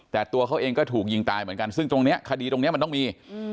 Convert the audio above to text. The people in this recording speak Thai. แต่ตัวเขาเองก็ถูกยิงตายเหมือนกันซึ่งตรงนี้คดีตรงนี้มันต้องมี